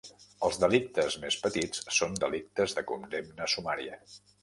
Els delictes més petits son delictes de condemna sumària.